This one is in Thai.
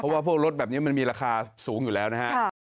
เพราะว่าพวกรถแบบนี้มันมีราคาสูงอยู่แล้วนะฮะ